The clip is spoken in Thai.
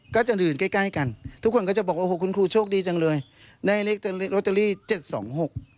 ก็ก็จะอื่นใกล้ใกล้กันทุกคนก็จะบอกว่าเขาคุณครูชโภคดีจังเลยได้เลขเลข๗๒๖๕๓๓